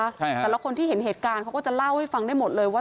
แต่ละคนที่เห็นเหตุการณ์เขาก็จะเล่าให้ฟังได้หมดเลยว่า